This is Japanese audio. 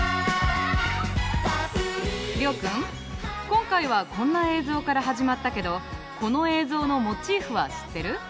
今回はこんな映像から始まったけどこの映像のモチーフは知ってる？